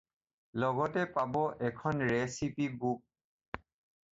লগতে পাব এখন ৰেচিপী বুক।